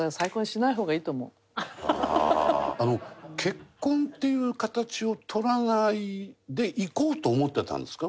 結婚っていう形を取らないでいこうと思ってたんですか？